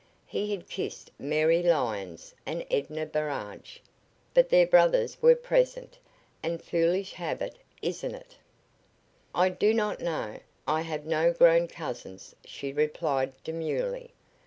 He had kissed Mary Lyons and Edna Burrage but their brothers were present. "A foolish habit, isn't it?" "I do not know. I have no grown cousins," she replied, demurely.